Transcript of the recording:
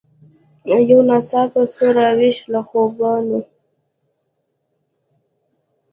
یو ناڅاپه سوه را ویښه له خوبونو